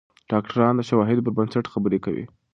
ډاکتران د شواهدو پر بنسټ خبرې کوي.